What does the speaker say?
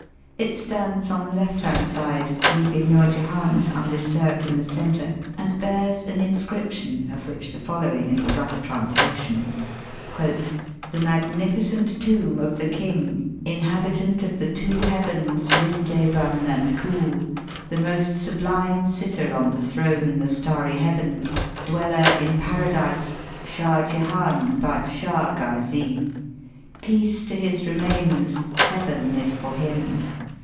It stands on the left hand side, leaving Noor Jehan's un disturbed in the centre, and bears an inscrip tion, of which the following is a rough trans lation :— "The Magnificent Tom}) of the King, Inhabitant of the two Heavens, Kidevun and Khool ; the Most Sublime Sitter on the throne in the starry heavens, dweller in Paradise, Shah Jehan Badshah Gazee. Peace to his remains, Heaven is for him.